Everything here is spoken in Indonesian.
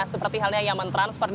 seperti hal yang yang mentransfer